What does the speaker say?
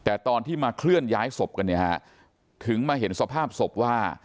แต่ตอนที่มาเคลื่อนย้ายศพกันเนี่ยฮะถึงมาเห็นสภาพศพว่า